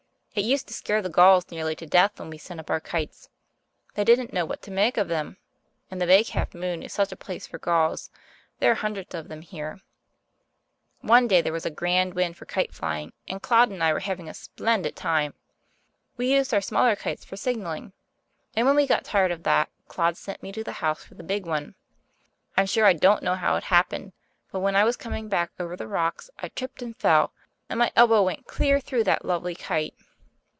It used to scare the gulls nearly to death when we sent up our kites. They didn't know what to make of them. And the Big Half Moon is such a place for gulls there are hundreds of them here. One day there was a grand wind for kite flying, and Claude and I were having a splendid time. We used our smaller kites for signalling, and when we got tired of that Claude sent me to the house for the big one. I'm sure I don't know how it happened, but when I was coming back over the rocks I tripped and fell, and my elbow went clear through that lovely kite.